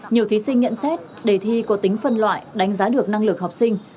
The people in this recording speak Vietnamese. nhiều thí sinh nhận xét đề thi có tính phân loại đánh giá được năng lực học sinh